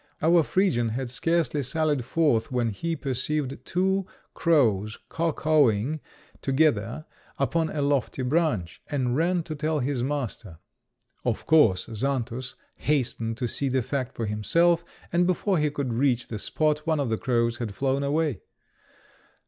Our Phrygian had scarcely sallied forth when he perceived two crows caw caw ing together upon a lofty branch, and ran to tell his master. Of course, Xantus hastened to see the fact for himself, and before he could reach the spot one of the crows had flown away.